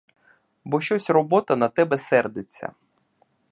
Бо щось робота на тебе сердиться.